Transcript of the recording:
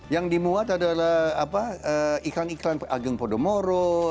yang dimuat adalah iklan iklan ageng podomoro